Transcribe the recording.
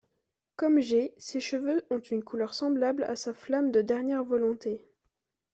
Comme G, ses cheveux ont une couleur semblable à sa Flamme de Dernière Volonté.